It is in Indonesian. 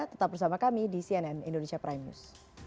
tetap bersama kami di cnn indonesia prime news